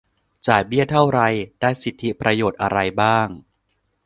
จ่ายเบี้ยเท่าไร ได้สิทธิประโยชน์อะไรบ้าง